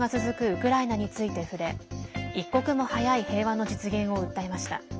ウクライナについて触れ一刻も早い平和の実現を訴えました。